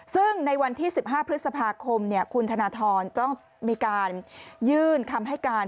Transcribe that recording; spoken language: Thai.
ซึ่งในวันที่๑๕พฤษภาคมคุณธนทรต้องมีการยื่นคำให้การ